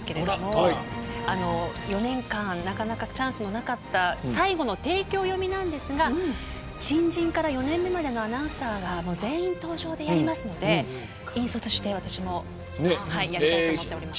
４年間なかなかチャンスのなかった最後の提供読みなんですが新人から４年目までのアナウンサーが全員登場でやりますので引率して私もやりたいと思っています。